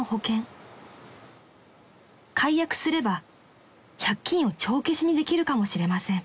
［解約すれば借金を帳消しにできるかもしれません］